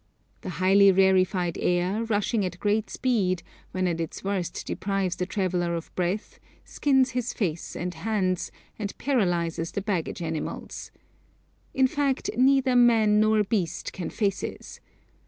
The highly rarefied air, rushing at great speed, when at its worst deprives the traveller of breath, skins his face and hands, and paralyses the baggage animals. In fact, neither man nor beast can face it.